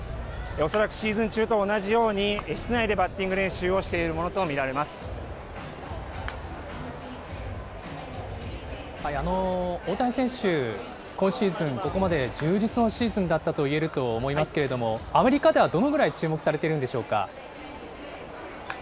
恐らくシーズン中と同じように、室内でバッティング練習をしてい大谷選手、今シーズン、ここまで充実のシーズンだったと言えると思いますけれども、アメリカではどのぐらい注目されているんでしょうか。